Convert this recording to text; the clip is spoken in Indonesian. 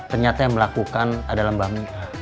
ternyata yang melakukan adalah mbak mika